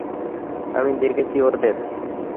আমি দেখছি ওদের।